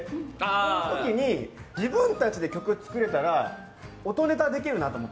その時に自分たちで曲を作れたら音ネタできるなって思った。